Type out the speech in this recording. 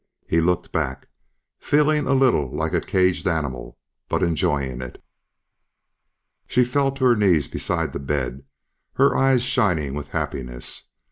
He looked back, feeling a little like a caged animal but enjoying it. She fell to her knees beside the bed, her eyes shining with happiness.